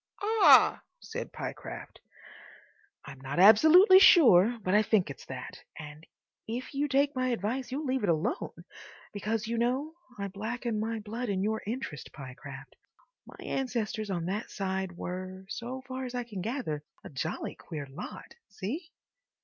("Ah!" said Pyecraft.) I'm not absolutely sure, but I think it's that. And if you take my advice you'll leave it alone. Because, you know—I blacken my blood in your interest, Pyecraft—my ancestors on that side were, so far as I can gather, a jolly queer lot. See?"